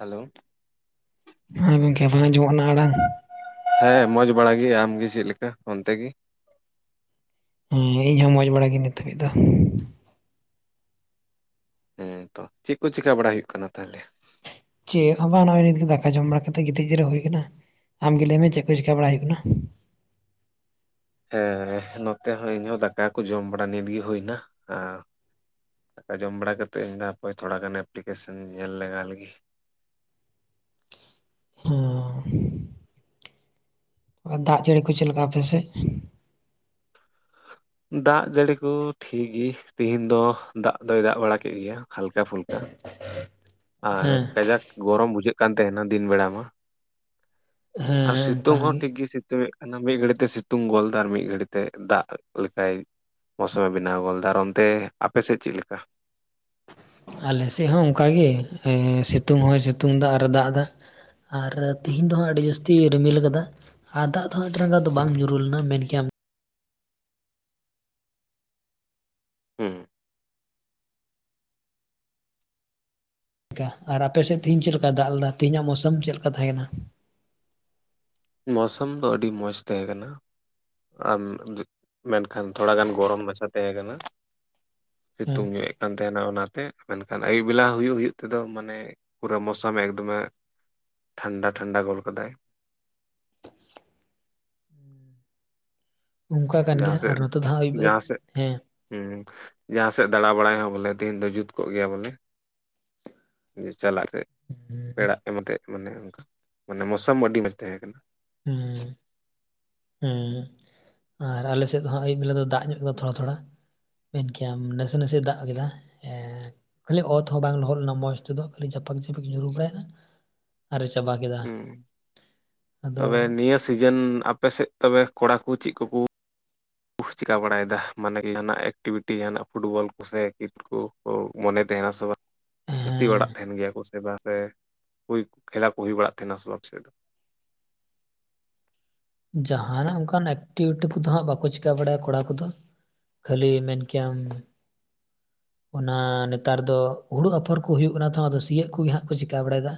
Hello ᱦᱮᱸ ᱜᱚᱢᱠᱮ ᱵᱟᱝ ᱟᱸᱚᱢᱚᱜ ᱠᱟᱱᱟ ᱟᱲᱟᱝ ᱦᱮᱸ ᱢᱚᱡᱽ ᱵᱟᱲᱟᱜᱮ ᱟᱢᱜᱮ ᱪᱮᱫ ᱞᱮᱠᱟ ᱚᱱᱛᱮ ᱜᱮ ᱦᱮᱸ ᱤᱧ ᱦᱚᱸ ᱢᱚᱸᱡᱽ ᱵᱟᱲᱟ ᱜᱤ ᱱᱤᱛ ᱫᱷᱟᱹᱵᱤᱡ ᱫᱚ, ᱦᱮᱸ ᱛᱚ ᱪᱮᱫ ᱠᱚ ᱪᱮᱠᱟ ᱵᱟᱲᱟ ᱦᱩᱭᱩᱜ ᱠᱟᱱᱟ ᱛᱟᱦᱚᱞᱮ? ᱪᱮᱫ ᱦᱚ ᱵᱟᱝ ᱱᱚᱜ-ᱚᱭ ᱱᱤᱛ ᱜᱮ ᱫᱟᱠᱟ ᱡᱚᱢ ᱵᱟᱲᱟ ᱠᱟᱛᱮ ᱜᱤᱛᱤᱡ ᱡᱤᱨᱟᱹᱣ ᱦᱩᱭ ᱠᱟᱱᱟ, ᱟᱢᱜᱮ ᱞᱟᱹᱭᱢᱮ ᱪᱮᱫ ᱠᱚ ᱪᱤᱠᱟᱹ ᱵᱟᱲᱟ ᱦᱩᱭᱩᱜ ᱠᱟᱱᱟ? ᱦᱮᱸ ᱱᱚᱛᱮ ᱦᱚᱸ ᱤᱧᱦᱚ ᱫᱟᱠᱟ ᱠᱚ ᱡᱚᱢ ᱵᱟᱲᱟ ᱱᱤᱛ ᱜᱮ ᱦᱩᱭᱱᱟ ᱟᱨ ᱫᱟᱠᱟ ᱡᱚᱢ ᱵᱟᱲᱟ ᱠᱟᱛᱮᱫ ᱤᱧ ᱫᱚ ᱦᱟᱯᱮ ᱛᱷᱚᱲᱟ ᱜᱟᱱ ᱮᱯᱞᱤᱠᱮᱥᱚᱱ ᱧᱮᱞ ᱞᱟᱜᱟ ᱞᱤᱜᱤ, ᱫᱟᱜ ᱡᱟᱹᱲᱤ ᱠᱚ ᱪᱮᱫ ᱞᱮᱠᱟ ᱟᱯᱮ ᱥᱮᱜ? ᱫᱟᱜ ᱡᱟᱹᱲᱤ ᱠᱚ ᱴᱷᱤᱠ ᱜᱤ ᱛᱮᱦᱤᱧ ᱫᱚ ᱫᱟᱜ ᱫᱚᱭ ᱫᱟᱜ ᱵᱟᱲᱟ ᱠᱮᱫ ᱜᱮᱭᱟ ᱦᱟᱞᱠᱟ ᱯᱷᱩᱞᱠᱟ, ᱟᱨ ᱦᱮᱸ ᱠᱟᱡᱟᱠ ᱜᱚᱨᱚᱢ ᱵᱩᱡᱷᱟᱹᱜ ᱠᱟᱱ ᱛᱟᱦᱮᱱᱟ ᱫᱤᱱ ᱵᱮᱲᱟ ᱢᱟ, ᱟᱨ ᱦᱮᱸ ᱥᱤᱛᱩᱝ ᱚᱱᱠᱟ ᱦᱚᱸ ᱴᱷᱤᱠ ᱜᱮ ᱥᱤᱛᱩᱝ ᱮᱫ, ᱚᱱᱟ ᱢᱤᱫ ᱜᱷᱟᱹᱲᱤᱡ ᱛᱮ ᱥᱤᱛᱩᱝ ᱜᱚᱞ ᱮᱫᱟ ᱟᱨ ᱢᱤᱫ ᱜᱷᱟᱹᱲᱤᱡ ᱛᱮ ᱫᱟᱜ ᱞᱮᱠᱟᱭ ᱢᱳᱥᱩᱢᱮ ᱵᱮᱱᱟᱣ ᱜᱚᱞ ᱫᱟ ᱚᱱᱛᱮ ᱟᱯᱮ ᱥᱮᱫ ᱪᱮᱫ ᱞᱮᱠᱟ? ᱟᱞᱮ ᱥᱮᱫ ᱦᱚᱸ ᱚᱱᱠᱟ ᱜᱮ ᱮᱸ ᱥᱤᱛᱩᱝ ᱦᱚᱸᱭ ᱥᱤᱛᱩᱝ ᱫᱟ ᱟᱨ ᱮ ᱫᱟᱜ ᱫᱟ, ᱟᱨ ᱛᱮᱦᱤᱧ ᱫᱚ ᱦᱟᱸᱜ ᱟᱹᱰᱤ ᱡᱟᱹᱥᱛᱤ ᱨᱤᱢᱤᱞ ᱠᱟᱫᱟ, ᱟᱨ ᱫᱟᱜ ᱫᱚ ᱦᱟᱜ ᱟᱹᱰᱤ ᱨᱟᱸᱜᱟᱣ ᱫᱚ ᱵᱟᱝ ᱧᱩᱨᱩ ᱞᱮᱱᱟ ᱢᱮᱱ ᱠᱮᱭᱟᱢ ᱦᱩᱸ ᱟᱨ ᱟᱯᱮ ᱥᱮᱫ ᱛᱮᱦᱤᱧ ᱪᱮᱫ ᱞᱮᱠᱟ ᱫᱟᱜ ᱞᱮᱫᱟ ᱛᱮᱦᱤᱧ ᱟᱜ ᱢᱳᱥᱩᱢ ᱪᱮᱫ ᱞᱮᱠᱟ ᱛᱟᱦᱮᱸ ᱠᱟᱱᱟ? ᱢᱳᱥᱚᱢ ᱫᱚ ᱟᱹᱰᱤ ᱢᱚᱸᱡᱽ ᱛᱟᱦᱮᱸ ᱠᱟᱱᱟ, ᱟᱢ ᱢᱮᱱ ᱠᱷᱟᱱ ᱛᱷᱚᱲᱟ ᱜᱟᱱ ᱜᱚᱨᱚᱢ ᱢᱟᱪᱷᱟ ᱛᱟᱦᱮᱸ ᱠᱟᱱᱟ ᱦᱮᱸ ᱥᱤᱛᱩᱝ ᱧᱚᱜ ᱮ ᱠᱟᱱ ᱛᱟᱦᱮᱱᱟ ᱚᱱᱟᱛᱮ ᱢᱮᱱ ᱠᱷᱟᱱ ᱟᱹᱭᱩᱵ ᱵᱮᱞᱟ ᱦᱩᱭᱩᱜ ᱦᱩᱭᱩᱜ ᱛᱮᱫᱚ ᱢᱟᱱᱮ ᱯᱩᱨᱟᱹ ᱢᱚᱥᱚᱢ ᱮᱠᱫᱚᱢᱮ ᱴᱷᱟᱱᱰᱟ ᱴᱷᱟᱱᱰᱟ ᱜᱚᱞ ᱠᱟᱫᱟᱭ, ᱚᱱᱠᱟ ᱠᱟᱱ ᱜᱮᱭᱟ ᱟᱨ ᱱᱚᱛᱮ ᱫᱚ ᱦᱟᱸᱜ ᱟᱹᱭᱩᱵ ᱦᱮᱸ, ᱦᱮᱸ ᱡᱟᱦᱟᱸ ᱥᱮᱫ ᱫᱟᱬᱟ ᱵᱟᱲᱟᱭ ᱦᱚᱸ ᱵᱚᱞᱮ ᱛᱮᱦᱤᱧ ᱫᱚ ᱡᱩᱛ ᱠᱚᱜ ᱜᱮᱭᱟ ᱵᱚᱞᱮ ᱡᱮ ᱪᱟᱞᱟᱜ ᱛᱮ ᱦᱩᱸ ᱯᱮᱲᱟᱜ ᱠᱟᱱᱟ ᱛᱮ ᱢᱟᱱᱮ ᱚᱱᱠᱟ ᱢᱟᱱᱮ ᱢᱚᱥᱟᱢ ᱟᱹᱰᱤ ᱢᱚᱸᱡᱽ ᱛᱟᱦᱮᱸ ᱠᱟᱱᱟ ᱦᱩᱸ ᱦᱩᱸ ᱟᱨ ᱟᱞᱮ ᱥᱮᱫ ᱫᱚ ᱦᱚᱸᱜ ᱟᱹᱭᱩᱵ ᱵᱮᱞᱟ ᱫᱚ ᱫᱟᱜ ᱧᱚᱜ ᱠᱟᱫᱟ ᱛᱷᱚᱲᱟ ᱛᱷᱚᱲᱟ ᱢᱮᱱ ᱠᱮᱭᱟᱢ ᱱᱟᱥᱮ ᱱᱟᱥᱮ ᱫᱟᱜ ᱠᱮᱫᱟ ᱦᱮᱸ ᱠᱷᱟᱹᱞᱤ ᱚᱛ ᱦᱚᱸ ᱵᱟᱝ ᱞᱚᱦᱚᱫ ᱞᱮᱱᱟ ᱢᱚᱡᱽ ᱛᱮ ᱫᱚ ᱠᱷᱟᱹᱞᱤ ᱡᱷᱟᱯᱟᱠ ᱡᱷᱟᱹᱯᱤᱠ ᱧᱩᱨᱩ ᱵᱟᱲᱟᱭᱮᱱᱟ ᱟᱨ ᱮ ᱪᱟᱵᱟ ᱠᱮᱫᱟ ᱟᱫᱚ ᱥᱤᱡᱮᱱ ᱟᱯᱮ ᱥᱮᱫ ᱛᱚᱵᱮ ᱠᱚᱲᱟ ᱠᱚ ᱪᱮᱫ ᱠᱚ ᱠᱚ ᱠᱩ ᱪᱤᱠᱟᱹ ᱵᱟᱲᱟᱭᱮᱫᱟ ᱢᱟᱱᱮ ᱡᱟᱦᱟᱱᱟᱜ ᱮᱠᱴᱤᱵᱷᱤᱴᱤ ᱡᱟᱦᱟᱱᱟᱜ ᱯᱷᱩᱴᱵᱚᱞ ᱠᱚ ᱥᱮ ᱠᱤᱨᱠᱮᱴ ᱠᱩ ᱚᱸ ᱢᱚᱱᱮ ᱛᱮᱦᱮᱱᱟ ᱥᱚᱵᱟ ᱜᱟᱛᱮ ᱦᱮᱸ ᱵᱟᱲᱟᱜ ᱛᱟᱦᱮᱱ ᱜᱮᱭᱟ ᱠᱚ ᱥᱮ ᱵᱟᱝ ᱥᱮ ᱦᱩᱭ ᱠᱷᱮᱞᱟ ᱠᱚ ᱦᱩᱭ ᱵᱟᱲᱟᱜ ᱛᱟᱦᱮᱱᱟ ᱥᱮᱫ ᱵᱟᱝ ᱟᱯᱮ ᱥᱮᱫ? ᱡᱟᱦᱟᱱᱟᱜ ᱚᱱᱠᱟᱱ ᱮᱠᱴᱤᱵᱷᱤᱴᱤ ᱠᱚᱫᱚ ᱦᱟᱸᱜ ᱵᱟᱠᱚ ᱪᱮᱠᱟᱹ ᱵᱟᱲᱟᱭᱟ ᱠᱚᱲᱟ ᱠᱚᱫᱚ ᱠᱷᱟᱹᱞᱤ ᱢᱮᱱ ᱠᱮᱭᱟᱢ ᱚᱱᱟ ᱱᱮᱛᱟᱨ ᱫᱚ ᱦᱩᱲᱩ ᱟᱯᱷᱚᱨ ᱠᱚ ᱦᱩᱭᱩᱜ ᱠᱟᱱᱟ ᱛᱚ ᱟᱫᱚ ᱥᱤᱭᱳᱜ ᱠᱚᱜᱮ ᱦᱟᱸᱜ ᱠᱚ ᱪᱮᱠᱟᱹ ᱵᱟᱲᱟᱭᱮᱫᱟ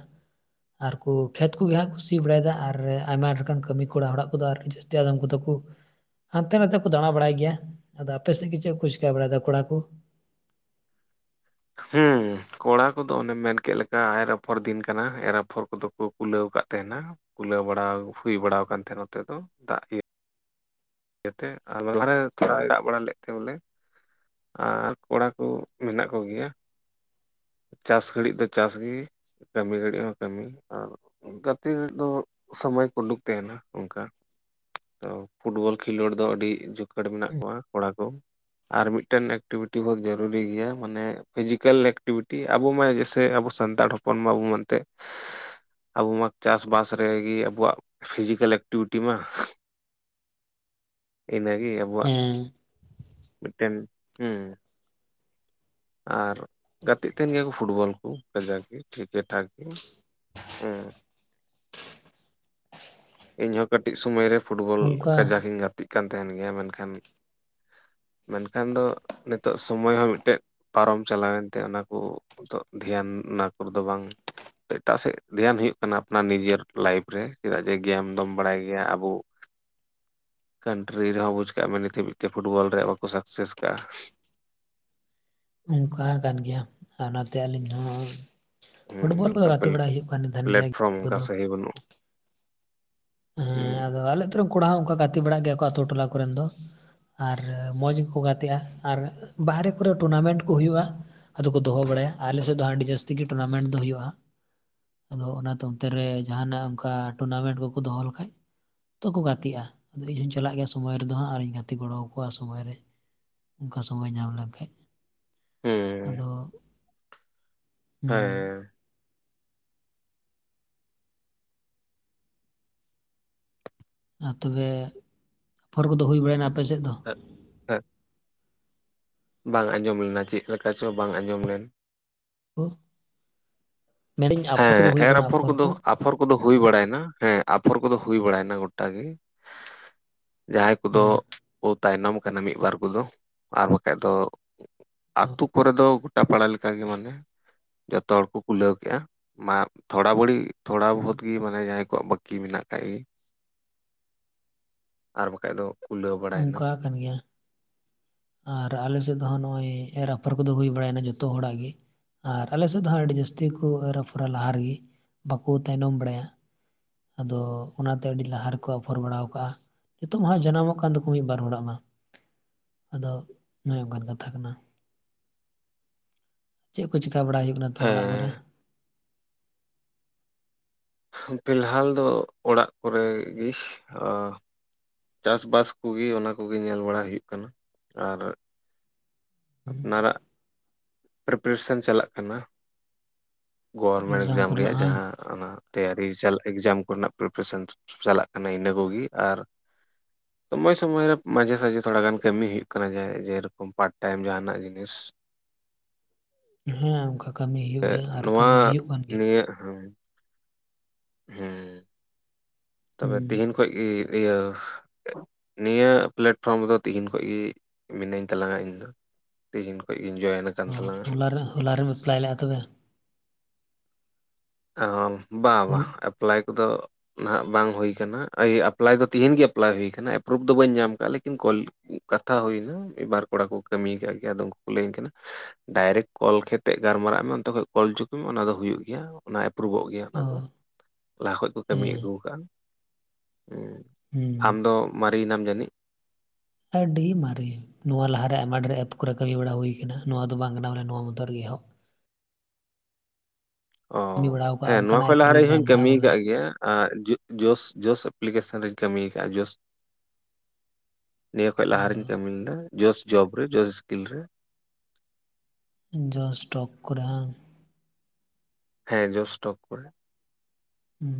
ᱟᱨ ᱠᱚ ᱠᱷᱮᱛ ᱠᱚᱜᱮ ᱦᱟᱸᱜ ᱠᱩ ᱥᱤ ᱵᱟᱲᱟᱭᱫᱟ ᱟᱨ ᱟᱭᱢᱟ ᱞᱮᱠᱟᱱ ᱠᱟᱹᱢᱤ ᱠᱚᱲᱟ ᱦᱚᱲᱟᱜ ᱠᱚᱫᱚ ᱟᱹᱣᱨᱤ ᱡᱟᱹᱥ ᱡᱟᱞᱟᱢ ᱠᱚ ᱛᱟᱠᱚ ᱦᱟᱱᱛᱮ ᱱᱟᱛᱮ ᱠᱚ ᱫᱟᱬᱟ ᱵᱟᱲᱟᱭ ᱜᱮᱭᱟ ᱟᱫᱚ ᱟᱯᱮᱥᱮᱫ ᱜᱮ ᱪᱮᱫ ᱠᱚ ᱪᱮᱠᱟ ᱵᱟᱲᱟᱭᱫᱟ ᱠᱚᱲᱟ ᱠᱚ ᱦᱮᱸ ᱠᱚᱲᱟ ᱠᱚᱫᱚ ᱚᱱᱮᱢ ᱢᱮᱱᱠᱮᱜ ᱞᱮᱠᱟ ᱟᱭ ᱟᱯᱷᱚᱨ ᱫᱤᱱ ᱠᱟᱱᱟ ᱮᱨ ᱟᱯᱷᱚᱨ ᱠᱚᱫᱚ ᱠᱩ ᱠᱩᱞᱟᱹᱣ ᱠᱟᱜ ᱛᱟᱦᱮᱸᱱᱟ ᱠᱩᱞᱟᱹᱣ ᱵᱟᱲᱟ ᱦᱩᱭ ᱵᱟᱲ ᱟᱠᱟᱱ ᱛᱟᱦᱮᱸᱱᱟ ᱱᱚᱛᱮ ᱫᱚ ᱫᱟᱜ ᱜᱮ ᱤᱭᱟᱹᱛᱮ ᱟᱨ ᱞᱟᱦᱟᱨᱮ ᱛᱷᱚᱲᱟ ᱫᱟᱜ ᱵᱟᱲᱟ ᱞᱮᱫ ᱛᱮ ᱵᱚᱞᱮ ᱟᱨ ᱠᱚᱲᱟ ᱠᱩ ᱢᱮᱱᱟᱜ ᱠᱚᱜᱮᱭᱟ ᱪᱟᱥ ᱜᱷᱟᱹᱲᱤᱡ ᱫᱚ ᱪᱟᱥᱜᱤ ᱠᱟᱹᱢᱤ ᱜᱷᱟᱹᱲᱤᱡ ᱦᱚᱸ ᱠᱟᱹᱢᱤ ᱟᱨ ᱜᱟᱛᱤ ᱨᱮᱫᱚ ᱥᱚᱢᱚᱭ ᱠᱚ ᱩᱰᱩᱠ ᱛᱟᱦᱮᱱᱟ ᱚᱱᱠᱟ ᱛᱚ ᱯᱷᱩᱴᱵᱚᱞ ᱠᱷᱮᱞᱚᱰ ᱫᱚ ᱟᱹᱰᱤ ᱡᱩᱠᱷᱮᱴ ᱢᱮᱱᱟᱜ ᱠᱚᱣᱟ ᱠᱚᱲᱟ ᱠᱚ ᱟᱨ ᱢᱤᱴ ᱴᱤᱜᱴᱮᱱ ᱮᱠᱴᱤᱵᱷᱤᱴᱤ ᱵᱟᱦᱩᱛ ᱡᱟᱹᱨᱩᱨᱤ ᱜᱮᱭᱟ ᱢᱟᱱᱮ ᱯᱷᱮᱡᱤᱠᱮᱞ ᱮᱠᱴᱤᱵᱷᱤᱴᱤ ᱟᱵᱚ ᱢᱟ ᱡᱮ ᱥᱮ ᱟᱵᱚ ᱥᱟᱱᱛᱟᱲ ᱦᱚᱯ ᱦᱚᱯᱚᱱ ᱢᱟ [unintelligible] ᱢᱮᱱᱛᱮ ᱟᱵᱚ ᱢᱟ ᱪᱟᱥ ᱵᱟᱥ ᱨᱮᱜᱮ ᱟᱵᱚᱣᱟᱜ ᱯᱷᱤᱡᱤᱠᱟᱞ ᱮᱠᱴᱤᱵᱷᱤᱴᱤ ᱢᱟ [unintelligible] ᱤᱱᱟᱹ ᱜᱮ ᱟᱵ ᱟᱵᱚᱣᱟᱜ ᱦᱮᱸ ᱢᱮᱴᱴᱮᱱ ᱦᱩᱸ ᱟᱨ ᱜᱟᱛᱮᱜ ᱛᱟᱦᱮᱱ ᱜᱮ ᱯᱷᱩᱴᱵᱚᱞ ᱠᱚ ᱠᱟᱡᱟᱠ ᱜᱮ ᱴᱷᱤᱠ ᱴᱷᱟᱠ ᱜᱮ ᱦᱩᱸ ᱤᱧᱦᱚᱸ ᱠᱟᱹᱴᱤᱡ ᱥᱚᱢᱚᱭ ᱨᱮ ᱯᱷᱩᱴᱵᱚᱞ ᱠᱟᱡᱟᱠ ᱚᱱᱠᱟ ᱤᱧ ᱜᱟᱛᱮᱜ ᱠᱟᱱ ᱛᱟᱦᱮᱱ ᱜᱮᱭᱟ ᱢᱮᱱᱠᱷᱟᱱ ᱢᱮᱱᱠᱷᱟᱱ ᱫᱚ ᱱᱤᱛᱚᱜ ᱥᱢᱚᱭ ᱦᱚᱸ ᱢᱤᱫᱴᱮᱡ ᱯᱟᱨᱚᱢ ᱪᱟᱞᱟᱣᱮᱱᱛᱮ ᱚᱱᱟᱠᱩ ᱱᱤᱛᱚᱜ ᱫᱷᱮᱭᱟᱱ ᱚᱱᱟ ᱠᱚᱨᱮᱫᱚ ᱵᱟᱝ ᱮᱴᱟᱜ ᱥᱮᱫ ᱫᱷᱮᱭᱟᱱ ᱦᱩᱭᱩᱜ ᱠᱟᱱᱟ ᱟᱯᱱᱟᱨ ᱱᱤᱡᱮᱨ ᱞᱟᱭᱤᱯᱷ ᱨᱮ ᱪᱮᱫᱟᱜ ᱡᱮ ᱜᱮᱢ ᱫᱚᱢ ᱵᱟᱲᱟᱭ ᱜᱮᱭᱟ ᱟᱵᱩ ᱠᱟᱱᱴᱨᱤ ᱨᱮ ᱦᱚᱸ ᱵᱩᱡᱽ ᱠᱟᱜ ᱢᱮ ᱱᱤᱛᱷ ᱦᱟᱵᱤᱡ ᱛᱮ ᱯᱷᱩᱴᱵᱚᱞ ᱨᱮᱭᱟᱜ ᱵᱟᱠᱚ ᱥᱟᱠᱥᱮᱥ ᱠᱟᱜᱼᱟ ᱚᱱᱠᱟ ᱠᱟᱱ ᱜᱮᱭᱟ ᱟᱨ ᱚᱱᱟᱛᱮ ᱟᱹᱞᱤᱧ ᱦᱚᱸ ᱦᱮᱸ ᱯᱷᱩᱴᱵᱚᱞ ᱠᱚᱫᱚ ᱜᱟᱛᱮ ᱵᱟᱲᱟᱭ ᱦᱩᱭᱩᱜ ᱠᱟᱱ [unintelligible] ᱜᱮᱭᱟ ᱠᱚᱫᱚ ᱜᱮᱸ ᱵᱟᱹᱱᱩᱜᱷ ᱦᱮᱸ ᱟᱫᱚ ᱟᱞᱮ ᱟᱹᱛᱩ ᱨᱮᱱ ᱠᱚᱲᱟ ᱦᱚᱸ ᱚᱱᱠᱟ ᱜᱟᱛᱮ ᱵᱟᱲᱟᱜ ᱜᱮᱭᱟ ᱠᱚ ᱟᱹᱛᱩ ᱴᱚᱞᱟ ᱠᱚᱨᱮᱱ ᱫᱚ ᱟᱨ ᱢᱚᱸᱡᱽ ᱜᱮᱠᱚ ᱜᱟᱛᱮᱜᱼᱟ ᱟᱨ ᱵᱟᱦᱨᱮ ᱠᱚᱨᱮ ᱴᱩᱨᱱᱟᱢᱮᱱᱴ ᱠᱚ ᱦᱩᱭᱩᱜᱼᱟ ᱟᱫᱚ ᱠᱚ ᱫᱚᱦᱚ ᱵᱟᱲᱟᱭᱟ ᱟᱞᱮ ᱥᱮᱫ ᱫᱚ ᱟᱹᱰᱤ ᱡᱟᱹᱥᱛᱤ ᱜᱮ ᱴᱩᱨᱱᱟᱢᱮᱱᱴ ᱫᱚ ᱦᱩᱭᱩᱜᱼᱟ ᱦᱟᱸᱜ ᱟᱫᱚ ᱚᱱᱟ ᱫᱚ ᱚᱱᱛᱮ ᱨᱮ ᱡᱟᱦᱟᱱᱟᱜ ᱚᱱᱠᱟ ᱴᱩᱨᱱᱟᱢᱮᱱᱴ ᱠᱚᱠᱚ ᱫᱚᱦᱚ ᱞᱮᱠᱷᱟᱡ ᱡᱚᱛᱚ ᱠᱚ ᱜᱟᱛᱮᱜᱼᱟ ᱟᱫᱚ ᱤᱧ ᱦᱚᱸᱧ ᱪᱟᱞᱟᱜ ᱜᱮᱭᱟ ᱥᱚᱢᱚᱭ ᱨᱮᱫᱚ ᱦᱟᱸᱜ ᱟᱨᱤᱧ ᱜᱟᱛᱮ ᱜᱚᱲᱚ ᱟᱠᱚᱣᱟ ᱥᱚᱢᱚᱭ ᱨᱮ ᱚᱱᱠᱟ ᱥᱚᱢᱚᱭ ᱧᱟᱢ ᱞᱮᱱᱠᱷᱟᱡ ᱦᱮᱸ ᱟᱫᱚ ᱦᱩᱸ ᱦᱮᱸ ᱟᱨ ᱛᱚᱵᱮ ᱟᱯᱷᱚᱨ ᱠᱚᱫᱚ ᱦᱩᱭ ᱵᱟᱲᱟᱭᱱᱟ ᱟᱯᱮ ᱥᱮᱫ ᱫᱚ ᱦᱮᱸ ᱦᱮᱸ ᱵᱟᱝ ᱟᱸᱡᱚᱢ ᱞᱮᱱᱟ ᱪᱮᱫ ᱞᱮᱠᱟ ᱪᱚ ᱵᱟᱝ ᱟᱸᱡᱚᱢ ᱞᱮᱱᱟ ᱳ ᱢᱮᱱᱫᱟᱹᱧ ᱟᱯᱷᱚᱨ ᱠᱚᱫᱚ ᱦᱮᱸ ᱦᱩᱭ ᱮᱨ ᱵᱟᱲᱟᱜᱼᱟ ᱟᱯᱷᱚᱨ ᱠᱚᱫᱚ ᱠᱚ ᱟᱯᱷᱚᱨ ᱠᱚᱫᱚ ᱦᱩᱭ ᱵᱟᱲᱟᱭᱱᱟ ᱦᱮᱸ ᱟᱯᱷᱚᱨ ᱠᱚᱫᱚ ᱦᱩᱭ ᱵᱟᱲᱟᱭᱱᱟ ᱜᱚᱴᱟ ᱜᱮ ᱡᱟᱦᱟᱸᱭ ᱠᱚᱫᱚ ᱦᱮᱸ ᱠᱚ ᱛᱟᱭᱱᱚᱢ ᱟᱠᱟᱱᱟ ᱢᱤᱫᱵᱟᱨ ᱠᱚᱫᱚ ᱟᱨ ᱵᱟᱠᱷᱟᱡ ᱫᱚ ᱟᱛᱩ ᱠᱚᱨᱮ ᱫᱚ ᱜᱚᱴᱟ ᱯᱟᱲᱟ ᱞᱮᱠᱟᱜᱮ ᱢᱟᱱᱮ ᱡᱚᱛᱚ ᱦᱚᱲ ᱠᱚ ᱠᱩᱞᱟᱹᱣ ᱠᱮᱜᱼᱟ ᱢᱟ ᱛᱷᱚᱲᱟ ᱵᱟᱹᱲᱤ ᱛᱷᱚᱲᱟ ᱵᱚᱦᱩᱛ ᱜᱤ ᱢᱟᱱᱮ ᱡᱟᱦᱟᱸᱭ ᱠᱚᱣᱟᱜ ᱵᱟᱹᱠᱤ ᱢᱮᱱᱟᱜ ᱠᱟᱜ ᱜᱤ ᱟᱨ ᱵᱟᱠᱷᱟᱡ ᱫᱚ ᱠᱩᱞᱟᱹᱣ ᱵᱟᱲᱟᱭᱮᱱᱟ ᱚᱱᱠᱟ ᱟᱠᱟᱱ ᱜᱮᱭᱟ ᱟᱨ ᱟᱞᱮ ᱥᱮᱫ ᱫᱚ ᱦᱟᱸᱜ ᱱᱚᱜᱼᱚᱭ ᱮᱨ ᱟᱯᱷᱚᱨ ᱠᱚᱫᱚ ᱦᱩᱭ ᱵᱟᱲᱟᱭᱱᱟ ᱡᱚᱛᱚ ᱦᱚᱲᱟᱜ ᱜᱤ ᱟᱨ ᱟᱞᱮᱥᱮᱫ ᱫᱚ ᱦᱟᱸᱜ ᱟᱹᱰᱤ ᱡᱟᱹᱥᱛᱤ ᱠᱚ ᱮᱨ ᱟᱯᱷᱚᱨᱟ ᱞᱟᱦᱟ ᱨᱮᱜᱮ ᱵᱟᱠᱚ ᱛᱟᱭᱱᱚᱢ ᱵᱟᱲᱟᱭᱟ ᱟᱫᱚ ᱚᱱᱟᱛᱮ ᱟᱹᱰᱤ ᱞᱟᱦᱟ ᱨᱮᱠᱚ ᱟᱯᱷᱚᱨ ᱵᱟᱲᱟ ᱠᱟᱜᱼᱟ ᱱᱤᱛᱚᱜ ᱢᱟ ᱡᱟᱱᱟᱢᱚᱜ ᱠᱟᱱ ᱛᱟᱠᱚ ᱢᱤᱫ ᱵᱟᱨ ᱦᱚᱲᱟᱜ ᱢᱟ ᱟᱫᱚ ᱱᱚᱜᱼᱚᱭ ᱱᱚᱝᱠᱟᱱ ᱠᱟᱛᱷᱟ ᱠᱟᱱᱟ ᱪᱮᱫ ᱠᱚ ᱪᱤᱠᱟ ᱵᱟᱲᱟᱟᱭ ᱦᱩᱭᱩᱜ ᱠᱟᱱᱟ ᱛᱚ ᱚᱲᱟᱜ ᱠᱚᱨᱮ ᱦᱮᱸ ᱯᱷᱤᱞᱟᱦᱟᱞ ᱫᱚ ᱚᱲᱟᱜ ᱠᱚᱨᱮᱜ ᱜᱤ ᱟᱸ ᱪᱟᱥᱵᱟᱥ ᱠᱚᱜᱮ ᱚᱱᱟ ᱠᱚᱜᱮ ᱧᱮᱞ ᱵᱟᱲᱟ ᱦᱩᱭᱩᱜ ᱠᱟᱱᱟ ᱟᱨ ᱟᱯᱱᱟᱨᱟᱜ ᱯᱨᱤᱯᱟᱨᱮᱥᱮᱱ ᱪᱟᱞᱟᱜ ᱠᱟᱱᱟ ᱜᱚᱵᱚᱨᱢᱮᱱᱴ ᱮᱠᱡᱟᱢ ᱨᱮᱭᱟᱜ ᱠᱚᱨᱮᱱᱟᱜ ᱦᱟᱝ ᱡᱟᱦᱟᱸ ᱚᱱᱟ ᱛᱮᱭᱟᱨᱤ ᱮᱠᱡᱟᱢ ᱠᱚᱨᱮᱱᱟᱜ ᱯᱨᱤᱯᱟᱨᱮᱥᱚᱱ ᱪᱟᱞᱟᱜ ᱠᱟᱱᱟ ᱤᱱᱟᱹ ᱠᱚᱜᱮ ᱟᱨ [unintelligible] ᱥᱚᱢᱚᱭ ᱥᱚᱢᱚᱭ ᱨᱮ ᱢᱟᱡᱷᱮ ᱥᱟᱡᱷᱮ ᱛᱷᱚᱲᱟ ᱜᱟᱱ ᱠᱟᱹᱢᱤ ᱦᱳᱭᱳᱜ ᱠᱟᱱᱟ ᱡᱮ ᱡᱮᱨᱚᱠᱚᱢ ᱯᱟᱨᱴ ᱴᱟᱭᱤᱢ ᱡᱟᱦᱟᱸ ᱱᱟᱜ ᱡᱤᱱᱤᱥ ᱦᱮᱸ ᱚᱱᱠᱟ ᱠᱟᱹᱢᱤ ᱦᱳᱭᱳᱜ ᱜᱮᱭᱟ ᱟᱨ ᱠᱟᱹᱢᱤ ᱦᱩᱭᱩᱜ ᱠᱟᱱ ᱜᱮᱭᱟ ᱤᱧᱟᱹᱜ ᱦᱚᱸ ᱦᱮᱸ ᱛᱚᱵᱮ ᱦᱩᱸ ᱛᱤᱦᱤᱧ ᱠᱷᱚᱡ ᱜᱮ ᱤᱭᱟᱹ ᱱᱤᱭᱟᱹ ᱯᱞᱟᱴᱯᱷᱚᱨᱚᱢ ᱨᱮᱫᱚ ᱛᱤᱦᱤᱧ ᱠᱷᱚᱱ ᱜᱮ ᱢᱤᱱᱟᱹᱧ ᱛᱟᱞᱟᱝᱟ ᱤᱧ ᱫᱚ ᱛᱤᱦᱤᱧ ᱠᱷᱚᱱ ᱜᱤᱧ ᱡᱚᱭᱮᱱ ᱟᱠᱟᱱ ᱳ ᱛᱟᱞᱟᱝᱟ ᱦᱚᱞᱟ ᱨᱮᱢ ᱦᱚᱞᱟᱨᱮᱢ ᱮᱯᱞᱟᱭ ᱞᱮᱫᱼᱟ ᱛᱚᱵᱮ ᱚᱸ ᱵᱟᱝ ᱦᱚᱞ ᱵᱟᱝ ᱮᱯᱞᱟᱭ ᱠᱚᱫᱚ ᱱᱟᱦᱟᱜ ᱵᱟᱝ ᱦᱩᱭ ᱠᱟᱱᱟ ᱮᱯᱞᱟᱭ ᱫᱚ ᱛᱤᱦᱤᱧ ᱜᱮ ᱮᱯᱞᱟᱭ ᱦᱩᱭᱩ ᱠᱟᱱᱟ ᱮᱯᱨᱩᱵᱷ ᱫᱚ ᱵᱟᱹᱧ ᱧᱟᱢ ᱠᱟᱼᱟ ᱞᱮᱠᱤᱱ ᱠᱚᱞ ᱠᱟᱛᱷᱟ ᱦᱩᱭ ᱮᱱᱟ ᱢᱤᱫ ᱵᱟᱨ ᱠᱚᱲᱟ ᱠᱚ ᱠᱟᱹᱢᱤᱭ ᱠᱟᱜ ᱜᱮᱭᱟ ᱟᱫᱚ ᱩᱱᱠᱩ ᱠᱚ ᱞᱟᱹᱭᱟᱹᱧ ᱠᱟᱱᱟ ᱰᱟᱭᱨᱮᱠᱴ ᱠᱚᱞ ᱠᱟᱛᱮᱜ ᱜᱟᱞᱢᱟᱨᱟᱜ ᱢᱮ ᱚᱱᱛᱮ ᱠᱷᱚᱡ ᱠᱚᱞ ᱚᱪᱚ ᱠᱚᱢᱮ ᱚᱱᱟ ᱫᱚ ᱦᱩᱭᱩᱜ ᱜᱮᱭᱟ ᱚᱱᱟ ᱮᱯᱨᱩᱵᱷᱚᱜ ᱜᱮᱭᱟ ᱚᱱᱟ ᱚ ᱫᱚ ᱞᱟᱦᱟ ᱠᱷᱚᱡ ᱠᱚ ᱠᱟᱹᱢᱤ ᱦᱮᱸ ᱟᱹᱜᱩ ᱟᱠᱟᱫᱟ ᱦᱸ ᱦᱩᱸ ᱟᱢᱫᱚ ᱢᱟᱨᱤ ᱮᱱᱟᱢ ᱡᱟᱹᱱᱤᱡ ᱟᱹᱰᱤ ᱢᱟᱨᱮ ᱱᱚᱣᱟ ᱞᱟᱦᱟᱨᱮ ᱟᱭᱢᱟ ᱰᱷᱮᱨ ᱮᱯ ᱠᱚᱨᱮ ᱠᱟᱹᱢᱤ ᱵᱟᱲᱟ ᱦᱩᱭ ᱟᱠᱟᱱᱟ ᱱᱚᱣᱟ ᱫᱚ ᱵᱟᱝ ᱠᱟᱱᱟ ᱵᱚᱞᱮ ᱱᱚᱣᱟ ᱢᱚᱛᱚ ᱨᱮᱜᱮ ᱮᱦᱚᱵ ᱚ ᱠᱟᱹᱢᱤ ᱵᱟᱲᱟᱣ ᱠᱟᱜᱼᱟ ᱦᱮᱸ ᱱᱚᱣᱟ ᱚᱱᱠᱟᱱᱟᱜ ᱠᱷᱚᱱ ᱮᱯ ᱞᱟᱦᱟ ᱨᱮ ᱨᱮᱜᱮ ᱤᱧ ᱦᱩᱧ ᱜᱟᱞᱢᱟᱨᱟᱣ ᱠᱟᱹᱢᱤ ᱵᱟᱞᱟ ᱟᱠᱟᱫ ᱜᱮᱭᱟ ᱟᱨ ᱡᱳᱥ ᱡᱳᱥ ᱮᱯᱞᱤᱠᱮᱥᱚᱱ ᱨᱤᱧ ᱠᱟᱹᱢᱤ ᱟᱠᱟᱫᱼᱟ ᱡᱚᱥ ᱱᱤᱭᱟᱹ ᱠᱷᱚᱡ ᱞᱟᱦᱟ ᱨᱮᱧ ᱠᱟᱹᱢᱤ ᱞᱮᱫᱟ ᱡᱳᱥ ᱡᱚᱵ ᱨᱮ ᱡᱚᱥ ᱤᱥᱠᱤᱞ ᱨᱮ ᱡᱳᱥ ᱴᱚᱞᱠ ᱠᱚᱨᱮ ᱦᱚᱸ ᱦᱮᱸ ᱡᱳᱥ ᱴᱞᱚᱠ ᱠᱚᱨᱮ ᱦᱸ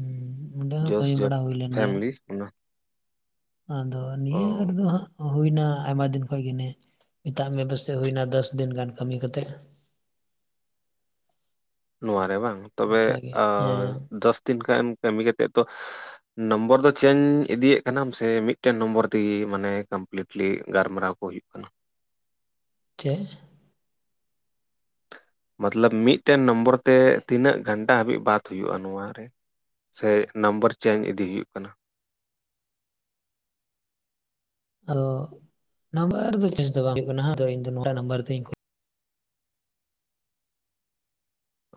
ᱚᱸᱰᱮ ᱦᱚᱸ ᱡᱚᱥ ᱠᱟᱹᱢᱤ ᱡᱚᱵ ᱵᱟᱲᱟ ᱦᱩᱭᱞᱮᱱ ᱜᱮᱭᱟ ᱯᱷᱮᱢᱮᱞᱤ ᱚᱱᱟ ᱟᱫᱚ ᱱᱤᱭᱟᱹ ᱚ ᱦᱟᱴ ᱫᱚ ᱦᱟᱸᱜ ᱦᱩᱭᱱᱟ ᱟᱭᱢᱟ ᱫᱤᱱ ᱠᱷᱚᱡ ᱜᱮ ᱢᱟᱱᱮ ᱢᱮᱛᱟᱜ ᱢᱮ ᱯᱟᱥᱮᱡ ᱦᱩᱭ ᱮᱱᱟ ᱫᱚᱥ ᱫᱤᱱ ᱜᱟᱱ ᱠᱟᱹᱢᱤ ᱠᱟᱛᱮᱫ ᱱᱚᱣᱟᱨᱮ ᱵᱟᱝ ᱛᱚᱵᱮ ᱚᱱᱠᱟᱜᱮ ᱟ ᱦᱮᱸ ᱫᱚᱥ ᱫᱤᱱ ᱜᱟᱱ ᱠᱟᱹᱢᱤ ᱠᱟᱛᱮᱫ ᱫᱚ ᱱᱚᱢᱵᱚᱨ ᱫᱚ ᱪᱮᱧᱡᱽ ᱤᱫᱤᱭᱮᱫ ᱠᱟᱱᱟᱢ ᱥᱮ ᱢᱤᱫᱴᱮᱱ ᱱᱚᱢᱵᱚᱨ ᱛᱮᱜᱮ ᱢᱟᱱᱮ ᱠᱚᱢᱯᱞᱤᱴᱞᱤ ᱜᱟᱞᱢᱟᱨᱟᱣ ᱠᱚ ᱦᱩᱭᱩᱜ ᱠᱟᱱᱟ ᱪᱮᱫ ᱢᱚᱛᱞᱚᱵ ᱢᱤᱫᱴᱮᱱ ᱱᱚᱢᱵᱚᱨ ᱛᱮ ᱛᱤᱱᱟᱹᱜ ᱜᱷᱟᱱᱴᱟ ᱦᱟᱹᱵᱤᱡ ᱵᱟᱛ ᱦᱩᱭᱩᱜᱼᱟ ᱱᱚᱣᱟᱨᱮ ᱥᱮ ᱱᱟᱢᱵᱟᱨ ᱪᱮᱧᱡᱽ ᱤᱫᱤ ᱦᱩᱭᱩᱜ ᱠᱟᱱᱟ ᱟᱫᱚ ᱱᱟᱢᱵᱟᱨ ᱫᱚ ᱪᱮᱧᱡᱽ ᱫᱚ ᱵᱟᱝ ᱦᱩᱭᱩᱜ ᱠᱟᱱᱟ ᱦᱟᱸᱜ ᱛᱚ ᱤᱧ ᱫᱚ ᱱᱚᱭᱟ ᱱᱟᱢᱵᱟᱨ ᱛᱤᱧ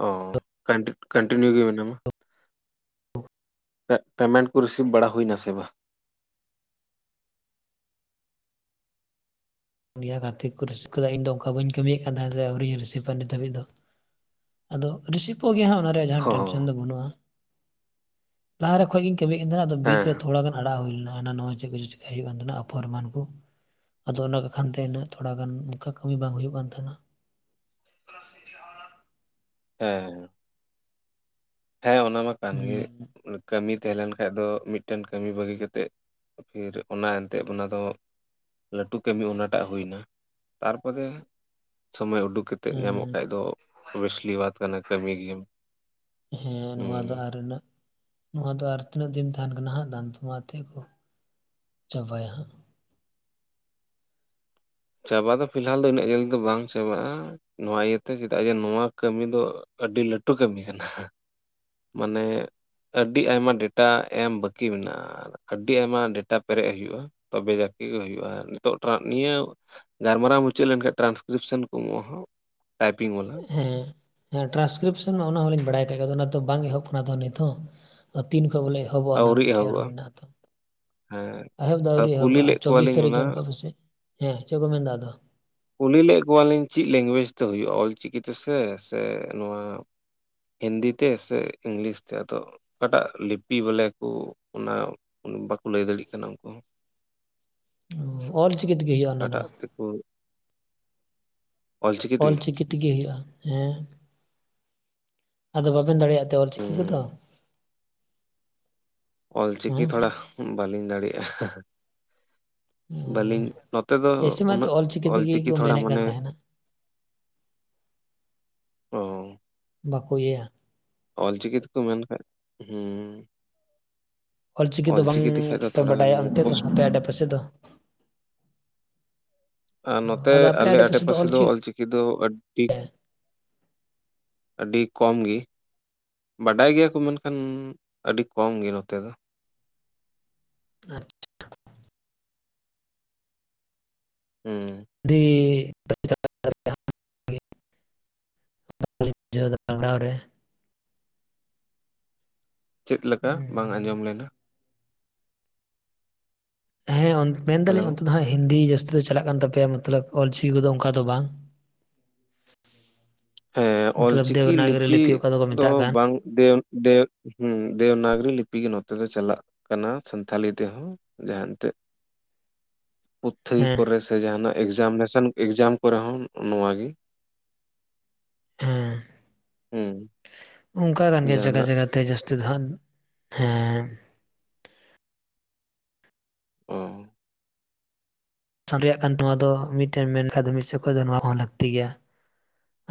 ᱚ ᱠᱟᱱᱴᱤ ᱠᱟᱱᱴᱤᱱᱤᱭᱩ ᱜᱮ ᱢᱮᱱᱟᱢᱟ ᱯᱮ ᱯᱮᱢᱮᱱᱴ ᱠᱚ ᱨᱤᱥᱤᱵᱷ ᱵᱟᱲᱟ ᱦᱩᱭᱱᱟ ᱥᱮ ᱵᱟᱝ ᱯᱩᱱᱤᱭᱟᱹ ᱜᱟᱛᱮ ᱠᱚ ᱨᱤᱥᱤᱯ ᱟᱠᱟᱫᱟ ᱤᱧ ᱫᱚ ᱚᱱᱠᱟ ᱵᱟᱹᱧ ᱠᱟᱹᱢᱤᱭᱮᱫ ᱠᱟᱱ ᱛᱟᱦᱮᱸ ᱛᱮ ᱟᱹᱣᱨᱤᱧ ᱨᱤᱥᱤᱯᱟ ᱱᱤᱛ ᱫᱷᱟᱹᱵᱤᱡ ᱫᱚ ᱟᱫᱚ ᱨᱤᱥᱤᱯᱚᱜ ᱜᱮ ᱦᱟᱸᱜ ᱚᱱᱟ ᱨᱮ ᱡᱟᱦᱟᱸ ᱴᱮᱱᱥᱮᱱ ᱦᱚᱸ ᱫᱚ ᱵᱟᱹᱱᱩᱜᱼᱟ ᱞᱟᱦᱟᱨᱮ ᱠᱷᱚᱡ ᱜᱤᱧ ᱠᱟᱹᱢᱤᱭᱮᱫ ᱠᱟᱱ ᱛᱟᱦᱮᱸᱱᱟ ᱟᱫᱚ ᱵᱤᱪ ᱨᱮ ᱦᱮᱸ ᱛᱷᱚᱲᱟᱜᱟᱱ ᱟᱲᱟᱜ ᱦᱩᱭ ᱞᱮᱱᱟ ᱦᱟᱱᱟ ᱱᱚᱣᱟ ᱪᱮᱫ ᱠᱚᱪᱚ ᱪᱤᱠᱟᱹᱭ ᱦᱩᱭᱩᱜ ᱠᱟᱱ ᱛᱟᱦᱮᱱᱟ ᱟᱯᱷᱚᱨ ᱮᱢᱟᱱ ᱠᱚ ᱟᱫᱚ ᱚᱱᱟ ᱠᱷᱟᱱ ᱛᱮᱱᱟᱜ ᱛᱷᱚᱲᱟ ᱜᱟᱱ ᱚᱱᱠᱟ ᱠᱟᱹᱢᱤ ᱵᱟᱝ ᱦᱩᱭᱩᱜ ᱠᱟᱱ ᱛᱟᱦᱮᱱᱟ ᱦᱮᱸ ᱦᱮᱸ ᱚᱱᱟ ᱢᱟ ᱠᱟᱱ ᱜᱮ ᱦᱩᱸ ᱠᱟᱹᱢᱤ ᱛᱟᱦᱮᱸ ᱞᱮᱱ ᱠᱷᱟᱡ ᱫᱚ ᱢᱤᱫᱴᱮᱱ ᱠᱟᱹᱢᱤ ᱵᱟᱹᱜᱤ ᱠᱟᱛᱮᱫ ᱯᱷᱤᱨ ᱚᱱᱟ ᱮᱱᱛᱮᱫ ᱚᱱᱟ ᱫᱚ ᱞᱟᱹᱴᱩ ᱠᱟᱹᱢᱤ ᱚᱱᱟᱴᱟᱜ ᱦᱩᱭᱱᱟ ᱛᱟᱨᱯᱚᱫᱮ ᱥᱚᱢᱚᱭ ᱩᱰᱩᱠ ᱠᱟᱛ ᱛᱮᱫ ᱧᱟᱢᱚᱜ ᱠᱷᱟᱡ ᱫᱚ ᱳᱵᱮᱥᱞᱤ ᱵᱟᱛ ᱠᱟᱱᱟ ᱠᱟᱹᱢᱤ ᱜᱮᱭᱟᱢ ᱦᱮᱸ ᱱᱚᱣᱟ ᱫᱚ ᱦᱩᱸ ᱟᱨ ᱨᱮᱱᱟᱜ ᱱᱚᱣᱟ ᱫᱚ ᱟᱨ ᱛᱤᱱᱟᱹᱜ ᱫᱤᱱ ᱛᱟᱦᱮᱱ ᱠᱟᱱᱟ ᱦᱟᱸᱜ ᱫᱟᱱ ᱢᱟ ᱛᱮ ᱠᱚ ᱪᱟᱵᱟᱭᱟ ᱦᱟᱸᱜ ᱪᱟᱵᱟ ᱫᱚ ᱯᱷᱤᱞᱦᱟᱞ ᱫᱚ ᱤᱱᱟᱹᱜ ᱡᱟᱹᱞᱫᱤ ᱫᱚ ᱵᱟᱝ ᱪᱟᱵᱟᱜᱼᱟ ᱱᱚᱣᱟ ᱤᱭᱟᱹᱛᱮ ᱪᱮᱫᱟᱜ ᱡᱮ ᱱᱚᱣᱟ ᱠᱟᱹᱢᱤ ᱫᱚ ᱟᱹᱰᱤ ᱞᱟᱹᱴᱩ ᱠᱟᱹᱢᱤ ᱠᱟᱱᱟ ᱢᱟᱱᱮ ᱟᱹᱰᱤ ᱟᱭᱢᱟ ᱰᱮᱴᱟ ᱮᱢ ᱵᱟᱹᱠᱤ ᱢᱮᱱᱟᱜᱼᱟ ᱟᱹᱰᱤ ᱟᱭᱢᱟ ᱰᱮᱴᱟ ᱯᱮᱨᱮᱡ ᱦᱩᱭᱩᱜᱼᱟ ᱛᱚᱵᱮ ᱡᱟᱠᱤ ᱜᱮ ᱦᱩᱭᱩᱜᱼᱟ ᱱᱤᱛᱚᱜ [unintelligible] ᱱᱤᱭᱟᱹ ᱜᱟᱞᱢᱟᱨᱟᱣ ᱢᱩᱪᱟᱹᱫ ᱞᱮᱱᱠᱷᱟᱱ ᱴᱨᱟᱱᱥᱠᱨᱤᱯᱥᱟᱱ ᱠᱚ ᱮᱢᱚᱜᱼᱟ ᱦᱟᱸᱜ ᱴᱟᱭᱯᱤᱝ ᱣᱟᱞᱟ ᱦᱮᱸᱼᱦᱮᱸ ᱴᱨᱟᱱᱥᱠᱨᱤᱯᱥᱚᱱ ᱩᱱᱟᱹᱜ ᱦᱚᱸᱞᱤᱧ ᱵᱟᱲᱟᱭ ᱠᱟᱜ ᱜᱮᱭ ᱟᱫᱚ ᱚᱱᱟ ᱛᱚ ᱵᱟᱝ ᱮᱦᱚᱵ ᱟᱠᱟᱱᱟ ᱛᱚ ᱱᱤᱛ ᱦᱚᱸ ᱟ ᱛᱤᱱ ᱠᱷᱚ ᱵᱚᱞᱮ ᱮᱦᱚᱵᱚᱜᱼᱟ ᱦᱟᱱᱟᱜ ᱟᱹᱣᱨᱤ ᱢᱤᱫ ᱴᱷᱮᱜ ᱮᱦᱚᱵᱚᱜᱼᱟ ᱢᱮᱱᱟᱜ-ᱟ ᱛᱚ ᱦᱮᱸ ᱮᱦᱚᱵ ᱫᱚ ᱟᱹᱣᱨᱤ ᱠᱩᱞᱤ ᱮᱦᱚᱵᱚᱜᱼᱟ ᱞᱮᱫ ᱪᱚᱵᱤᱥ ᱠᱚᱣᱟᱞᱤᱧ ᱛᱟᱹᱨᱤᱠᱷ ᱚᱱᱟ ᱜᱟᱱ ᱠᱷᱚᱡ ᱯᱟᱥᱮᱡ ᱦᱮᱸ ᱪᱮᱫ ᱠᱚ ᱢᱮᱱᱫᱟ ᱟᱫᱚ ᱠᱩᱞᱤ ᱞᱮᱫ ᱠᱚᱣᱟᱞᱤᱧ ᱪᱮᱫ ᱞᱮᱝᱜᱩᱭᱮᱡᱽ ᱛᱮ ᱦᱩᱭᱩᱜᱼᱟ ᱚᱞᱪᱤᱠᱤ ᱛᱮᱥᱮ ᱥᱮ ᱱᱚᱣᱟ ᱦᱤᱱᱫᱤ ᱛᱮ ᱥᱮ ᱤᱝᱞᱤᱥ ᱛᱮ ᱟᱫᱚ ᱚᱠᱟᱴᱟᱜ ᱞᱤᱯᱤ ᱵᱚᱞᱮ ᱠᱚ ᱚᱱᱟ ᱵᱟᱠᱚ ᱞᱟᱹᱭ ᱫᱟᱲᱤᱭᱟᱜ ᱠᱟᱱᱟ ᱩᱱᱠᱩ ᱦᱚᱸ ᱚᱞ ᱪᱤᱠᱤ ᱛᱮᱜᱮ ᱦᱩᱭᱩᱜᱼᱟ ᱚᱱᱟ ᱫᱚ ᱦᱳᱭ ᱚᱞᱪᱤᱠᱤ ᱛᱮᱜᱮ ᱦᱩᱭᱩᱜᱼᱟ ᱦᱮᱸ ᱟᱫᱚ ᱵᱟᱵᱮᱱ ᱫᱟᱲᱮᱭᱟᱜ ᱛᱮ ᱚᱞ ᱪᱤᱠᱤ ᱠᱚᱫᱚ ᱦᱩᱸ, ᱚᱞᱪᱤᱠᱤ ᱦᱮᱸ ᱛᱷᱚᱲᱟ ᱵᱟᱹᱞᱤᱧ ᱫᱟᱲᱮᱭᱟᱜᱼᱟ᱾ ᱵᱟᱹᱞᱤᱧ ᱱᱚᱛᱮ ᱫᱚ ᱮᱭᱥᱮ ᱢᱟᱛᱚ ᱩᱱᱟᱹᱜ ᱛᱮᱜᱮ ᱚᱞᱪᱤᱠᱤ ᱠᱚ ᱛᱷᱚᱲᱟ ᱢᱮᱱᱮᱫ ᱠᱟᱱ ᱢᱟᱱᱮ ᱛᱟᱦᱮᱱᱟ ᱚ ᱵᱟᱠᱚ ᱤᱭᱟᱹᱭᱟ ᱚᱞᱪᱤᱠᱤ ᱛᱮᱠᱚ ᱢᱮᱱᱠᱷᱟᱡ ᱦᱚᱸ ᱚᱞᱪᱤᱠᱤ ᱫᱚ ᱵᱟᱝ ᱛᱮᱠᱷᱟᱡ ᱫᱚ ᱯᱮ ᱛᱷᱚᱲᱟ ᱜᱟᱱ ᱵᱟᱰᱟᱭᱟ ᱚᱱᱛᱮ ᱫᱚ ᱢᱩᱠᱚᱥ ᱟᱯᱮ ᱟᱰᱮ ᱯᱟᱥᱮ ᱫᱚ ᱟ ᱱᱚᱛᱮ ᱟᱫᱚ ᱟᱯᱮ ᱟᱞᱮ ᱟᱰᱮ ᱟᱰᱮᱯᱟᱥᱮ ᱯᱟᱥᱮ ᱫᱚ ᱚᱞᱪᱤᱠᱤ ᱫᱚ ᱟᱹᱰᱤ ᱟᱹᱰᱤ ᱠᱚᱢ ᱜᱮ ᱵᱟᱰᱟᱭ ᱜᱮᱭᱟ ᱠᱚ ᱢᱮᱱᱠᱷᱟᱱ ᱟᱹᱰᱤ ᱠᱚᱢ ᱜᱮ ᱱᱚᱛᱮ ᱫᱚ ᱦᱚᱸ ᱟᱹᱰᱤ [unintelligible] [unintelligible] ᱨᱮ ᱪᱮᱫ ᱞᱮᱠᱟ ᱵᱟᱝ ᱦᱩᱸ ᱟᱸᱡᱚᱢ ᱞᱮᱱᱟ ᱦᱮᱸ ᱚᱱ ᱢᱮᱱ ᱦᱮᱞᱳ ᱫᱟᱹᱞᱤᱧ ᱚᱱᱛᱮ ᱫᱚ ᱦᱟᱸᱜ ᱦᱤᱱᱫᱤ ᱡᱟᱹᱥᱛᱤ ᱫᱚ ᱪᱟᱞᱟᱜ ᱠᱟᱱ ᱛᱟᱯᱮᱭᱟ ᱢᱚᱛᱞᱚᱵ ᱚᱞᱪᱤᱠᱤ ᱠᱚᱫᱚ ᱚᱱᱠᱟ ᱫᱚ ᱵᱟᱝ ᱦᱮᱸ ᱢᱚᱛᱞᱚᱵ ᱚᱞᱪᱤᱠᱤ ᱫᱮᱵᱽᱱᱟᱜᱚᱨᱤ ᱞᱤᱯᱤ ᱚᱠᱟ ᱫᱚᱠᱚ ᱫᱚ ᱢᱮᱛᱟᱜ ᱠᱟᱱ ᱵᱟᱝ ᱫᱮᱣ ᱫᱮᱣ ᱦᱩᱸ ᱫᱮᱣᱱᱟᱜᱽᱨᱤ ᱞᱤᱯᱤ ᱜᱮ ᱱᱚᱛᱮ ᱫᱚ ᱪᱟᱞᱟᱜ ᱠᱟᱱᱟ ᱥᱟᱱᱛᱷᱟᱞᱤ ᱛᱮᱦᱚᱸ ᱡᱟᱦᱟᱸ ᱮᱱᱛᱮᱜ ᱯᱩᱛᱷᱤ ᱦᱮᱸ ᱠᱚᱨᱮ ᱥᱮ ᱡᱟᱦᱟᱱᱟᱜ ᱮᱠᱡᱟᱢᱱᱮᱥᱟᱱ ᱮᱠᱡᱟᱢ ᱠᱚᱨᱮ ᱦᱚᱸ ᱱᱚᱣᱟ ᱜᱮ ᱦᱮᱸ ᱦᱩᱸ ᱚᱱᱠᱟ ᱜᱟᱱ ᱜᱮᱭᱟ ᱡᱟᱜᱟ ᱡᱟᱦᱟᱱᱟᱜ ᱡᱟᱜᱟᱛᱮ ᱡᱟᱹᱥᱛᱤ ᱫᱚ ᱦᱟᱸᱜ ᱦᱮᱸ ᱚ ᱥᱟᱸᱨᱮᱭᱟᱜ ᱠᱟᱱ ᱛᱟᱢᱟ ᱫᱚ ᱢᱤᱫ ᱴᱷᱮᱱ ᱢᱮᱱ ᱠᱷᱟᱱ ᱫᱚ ᱢᱤᱫᱥᱮᱫ ᱠᱷᱚᱡ ᱦᱚᱸ ᱞᱟᱹᱠᱛᱤ ᱜᱮᱭᱟ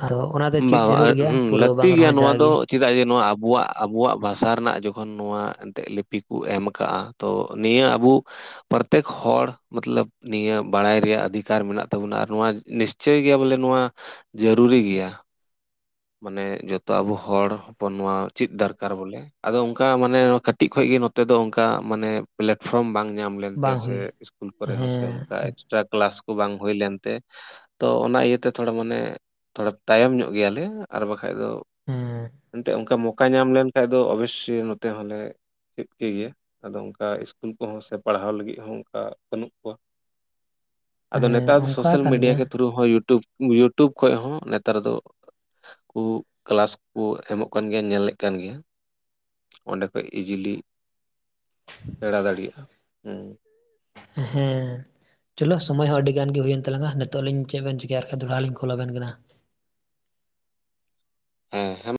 ᱟᱫᱚ ᱚᱱᱟ ᱫᱚ ᱪᱮᱫ ᱵᱟ ᱵᱟ ᱡᱟᱹᱨᱩᱲ ᱟᱨ ᱜᱮᱭᱟ ᱦᱩᱸ ᱯᱩᱨᱟᱹ ᱵᱟᱝ ᱞᱟᱹᱠᱛᱤ ᱜᱮᱭᱟ ᱨᱮᱦᱚᱸ ᱱᱚᱣᱟ ᱡᱟᱜᱮ ᱫᱚ ᱪᱮᱫᱟᱜ ᱡᱮ ᱱᱚᱣᱟ ᱟᱵᱚᱣᱟᱜ ᱟᱵᱚᱣᱟᱜ ᱵᱷᱟᱥᱟ ᱨᱮᱱᱟᱜ ᱡᱚᱠᱷᱚᱱ ᱱᱚᱣᱟ ᱮᱱᱛᱮ ᱞᱤᱯᱤ ᱠᱚ ᱮᱢ ᱟᱠᱟᱜᱼᱟ ᱛᱚ ᱱᱤᱭᱟᱹ ᱟᱵᱚ ᱯᱨᱚᱛᱮᱠ ᱦᱚᱲ ᱢᱚᱛᱞᱚᱵ ᱱᱤᱭᱟᱹ ᱵᱟᱲᱟᱭ ᱨᱮᱭᱟᱜ ᱟᱹᱫᱷᱤᱠᱟᱨ ᱢᱮᱱᱟᱜ ᱛᱟᱵᱚᱱᱟ ᱟᱨ ᱱᱚᱣᱟ ᱱᱤᱥᱪᱳᱭ ᱜᱮ ᱵᱚᱞᱮ ᱱᱚᱣᱟ ᱡᱟᱹᱨᱩᱨᱤ ᱜᱮᱭᱟ ᱢᱟᱱᱮ ᱡᱚᱛᱚ ᱟᱵᱚ ᱦᱚᱲ ᱦᱚᱯᱚᱱ ᱱᱚᱣᱟ ᱩᱪᱤᱫ ᱫᱚᱨᱠᱟᱨ ᱵᱚᱞᱮ ᱟᱫᱚ ᱚᱱᱠᱟ ᱢᱟᱱᱮ ᱱᱚᱣᱟ ᱠᱟᱹᱴᱤᱡ ᱠᱷᱚᱡ ᱜᱮ ᱱᱚᱛᱮ ᱫᱚ ᱚᱱᱠᱟ ᱢᱟᱱᱮ ᱯᱞᱮᱴᱯᱷᱚᱨᱚᱢ ᱵᱟᱝ ᱧᱟᱢ ᱞᱮᱱᱛᱮ ᱵᱟᱝ ᱥᱮ ᱦᱩᱭ ᱥᱠᱩᱞ ᱠᱚᱨᱮ ᱦᱚᱸ ᱥᱮ ᱦᱮᱸ ᱚᱱᱠᱟ ᱮᱠᱥᱴᱨᱟ ᱠᱞᱟᱥ ᱠᱚ ᱵᱟᱝ ᱦᱩᱭ ᱞᱮᱱ ᱛᱮ ᱛᱚ ᱚᱱᱟ ᱤᱭᱟᱹᱛᱮ ᱛᱷᱚᱲᱟ ᱢᱟᱱᱮ ᱛᱷᱚᱲᱟ ᱛᱟᱭᱚᱢ ᱧᱚᱜ ᱜᱮᱭᱟ ᱞᱮ ᱟᱨ ᱵᱟᱠᱷᱟᱡ ᱫᱚ ᱦᱮᱸ ᱮᱱᱛᱮᱫ ᱚᱱᱠᱟ ᱢᱚᱠᱟ ᱧᱟᱢ ᱞᱮᱱᱠᱷᱟᱱᱡ ᱫᱚ ᱚᱵᱚᱥᱥᱚᱭ ᱱᱚᱛᱮ ᱦᱚᱸᱞᱮ ᱪᱮᱫ ᱠᱮ ᱜᱮᱭᱟ ᱟᱫᱚ ᱚᱱᱠᱟ ᱤᱥᱠᱩᱞ ᱠᱚᱦᱚᱸ ᱥᱮ ᱯᱟᱲᱦᱟᱣ ᱞᱟᱹᱜᱤᱫ ᱦᱚᱸ ᱚᱱᱠᱟ ᱵᱟᱹᱱᱩᱜ ᱠᱚᱣᱟ ᱟᱫᱚ ᱦᱮᱸ ᱱᱮᱛᱟᱨ ᱫᱚ ᱚᱱᱠᱟ ᱥᱳᱥᱟᱞ ᱠᱟᱱ ᱢᱤᱰᱤᱭᱟ ᱜᱮᱭᱟ ᱠᱮ ᱛᱷᱨᱩ ᱦᱚᱸ ᱤᱭᱩᱴᱩᱵᱽ ᱤᱭᱩᱴᱩᱵᱽ ᱠᱷᱚᱡ ᱦᱚᱸ ᱱᱮᱛᱟᱨ ᱫᱚ ᱠᱩ ᱠᱮᱞᱟᱥ ᱠᱩ ᱮᱢᱚᱜ ᱠᱟᱱ ᱜᱮᱭᱟ ᱧᱮᱞ ᱞᱮᱫ ᱠᱟᱱ ᱜᱮᱭᱟ ᱚᱸᱰᱮ ᱠᱷᱚᱡ ᱤᱡᱤᱞᱤ ᱥᱮᱬᱟ ᱫᱟᱲᱮᱭᱟᱜᱼᱟ ᱦᱩ ᱸ ᱦᱮᱸ ᱪᱚᱞᱚ ᱥᱚᱢᱚᱭ ᱦᱚᱸ ᱟᱹᱰᱤᱜᱟᱱ ᱜᱮ ᱦᱩᱭᱮᱱ ᱛᱞᱟᱝ-ᱟ ᱱᱤᱛᱚᱜ ᱞᱟᱹᱭ ᱟᱹᱧ ᱪᱮᱫ ᱵᱮᱱ ᱪᱤᱠᱟᱹᱭᱟ ᱟᱨᱠᱟᱱ ᱫᱚᱲᱦᱟ ᱞᱤᱧ ᱠᱚᱞ ᱟᱵᱮᱱ ᱠᱟᱱᱟ ᱦᱸᱮ ᱦᱮᱸ ᱢ..